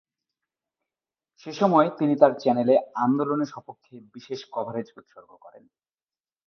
সেসময় তিনি তার চ্যানেলে আন্দোলনের স্বপক্ষে বিশেষ কভারেজ উৎসর্গ করেন।